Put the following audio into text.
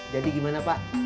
jadi gimana pak